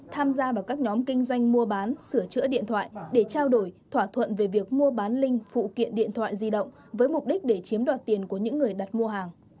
tham gia vào các nhóm kinh doanh mua bán sửa chữa điện thoại để trao đổi thỏa thuận về việc mua bán linh phụ kiện điện thoại di động với mục đích để chiếm đoạt tiền của những người đặt mua hàng